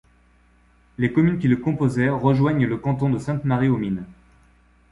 Les communes qui le composaient rejoignent le canton de Sainte-Marie-aux-Mines.